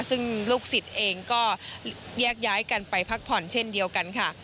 ซึ่งลูกศิษย์เองก็แยกย้ายกันไปพักผ่อนเช่นเดียวกันค่ะ